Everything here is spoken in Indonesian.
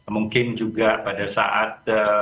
mungkin juga pada saat